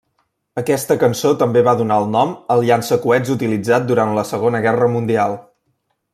Aquesta cançó també va donar el nom al llançacoets utilitzat durant la Segona Guerra Mundial.